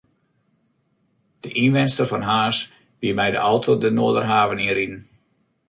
De ynwenster fan Harns wie mei de auto de Noarderhaven yn riden.